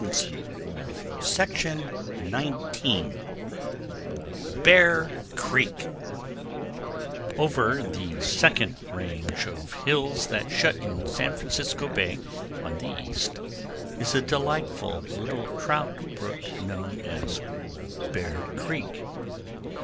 Bear Creek Over the second range of hills that shut in San Francisco Bay on the east is a delightful little trout brook known as Bear Creek.